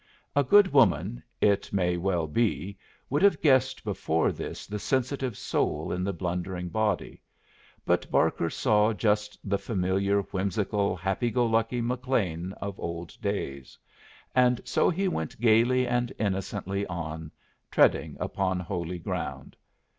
A good woman, it may well be, would have guessed before this the sensitive soul in the blundering body, but Barker saw just the familiar, whimsical, happy go lucky McLean of old days, and so he went gayly and innocently on, treading upon holy ground.